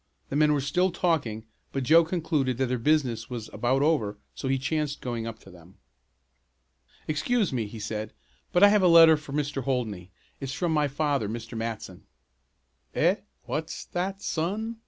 The men were still talking, but Joe concluded that their business was about over so he chanced going up to them. "Excuse me," he said, "but I have a letter for Mr. Holdney. It's from my father, Mr. Matson." "Eh, what's that son?"